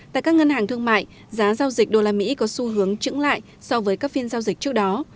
tại các ngân hàng thương mại giá giao dịch đô la mỹ có xu hướng trứng lại so với các phiên giao dịch trước đó